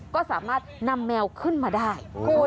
ก็สามารถนำแมวขึ้นมาได้